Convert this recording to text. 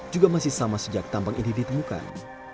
juga masih sama sejak tambang ini ditemukan